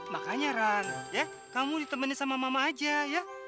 makanya ran ya kamu ditemenin sama mama aja ya